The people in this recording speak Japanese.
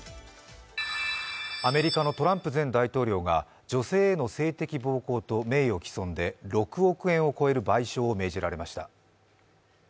アメリカのトランプ前大統領が女性への性的暴行と名誉毀損で６億円を超える賠償を命じられました。